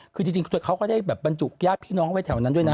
คือจริงเขาก็ได้แบบบรรจุญาติพี่น้องไว้แถวนั้นด้วยนะ